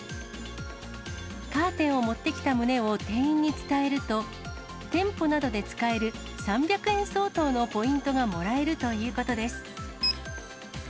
カーテンを持ってきた旨を店員に伝えると、店舗などで使える３００円相当のポイントがもらえるということです。